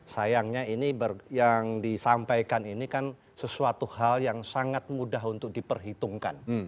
sayangnya ini yang disampaikan ini kan sesuatu hal yang sangat mudah untuk diperhitungkan